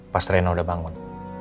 pas rena udah bangun